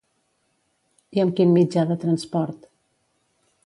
I amb quin mitjà de transport?